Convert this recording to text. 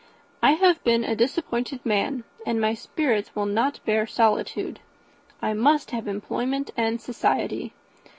I have been a disappointed man, and my spirits will not bear solitude. I must have employment and society.